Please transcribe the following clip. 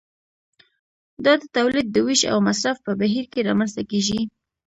دا د تولید د ویش او مصرف په بهیر کې رامنځته کیږي.